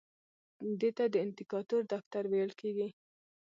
دې ته د اندیکاتور دفتر ویل کیږي.